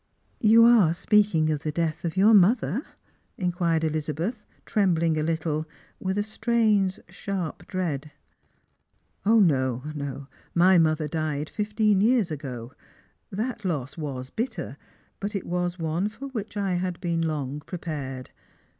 " You are speaking of the death of your mother? " inquired EUzabeth, trembling a little, with a strange sharp dread. "No; my mother died fifteen years ago. That loss waa bitter, but it was one for which I had been long prepared.